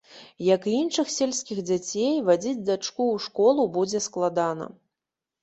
Як і іншых сельскіх дзяцей, вадзіць дачку ў школу будзе складана.